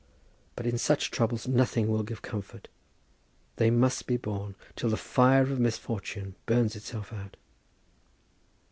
But in such troubles nothing will give comfort. They must be borne, till the fire of misfortune burns itself out.